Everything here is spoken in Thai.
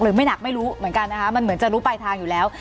ไม่หนักไม่รู้เหมือนกันนะคะมันเหมือนจะรู้ปลายทางอยู่แล้ว